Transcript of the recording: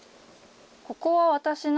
ここは私の。